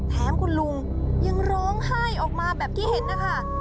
แถมคุณลุงยังร้องไห้ออกมาแบบที่เห็นนะคะ